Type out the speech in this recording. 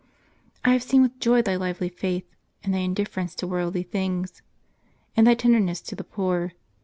I have seen with joy thy lively faith, and thy indifference to worldly things, and thy tenderness to the poor.